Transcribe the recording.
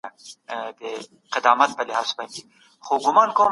بازار لوی دئ.